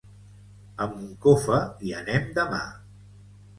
A Moncofa hi anem demà.